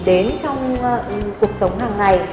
để đi đến trong cuộc sống hàng ngày